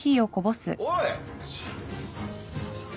おい！